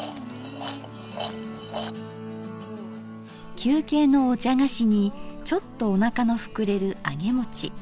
休憩のお茶菓子にちょっとおなかの膨れるあげもち。